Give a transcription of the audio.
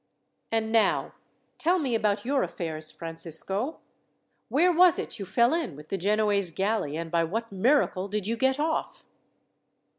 "And now, tell me about your affairs, Francisco. Where was it you fell in with the Genoese galley, and by what miracle did you get off?"